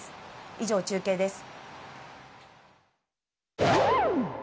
以上、中継です。